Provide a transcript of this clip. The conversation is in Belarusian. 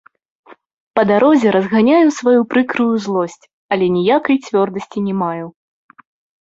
Па дарозе разганяю сваю прыкрую злосць, але ніякай цвёрдасці не маю.